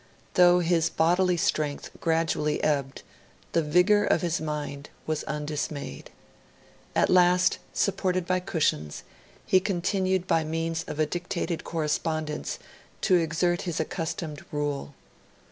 Though his bodily strength gradually ebbed, the vigour of his mind was undismayed. At last, supported by cushions, he continued, by means of a dictated correspondence, to exert his accustomed rule.